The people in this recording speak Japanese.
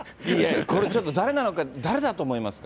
これちょっと、誰なのか、誰だと思いますか？